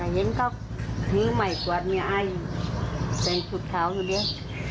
แม่เค้าเคยลายมาให้ดูเนี่ย